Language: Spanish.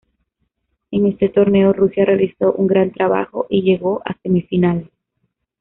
En ese torneo, Rusia realizó un gran trabajo y llegó a semifinales.